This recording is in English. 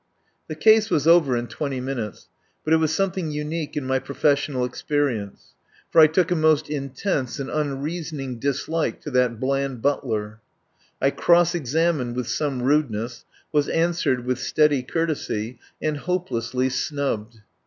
The case was over in twenty minutes, but it was something unique in my professional ex perience. For I took a most intense and un reasoning dislike to that bland butler. I cross examined with some rudeness, was an swered with steady courtesy, and hopelessly snubbed.